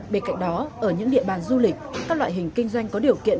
bên cạnh đó ở những địa bàn du lịch các loại hình kinh doanh có điều kiện